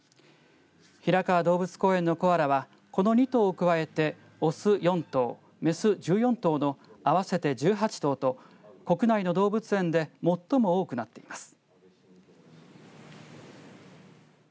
平川動物公園のコアラはこの２頭を加えて雄４頭、雌１４頭の合わせて１８頭と国内の動物園で最も多くなっています。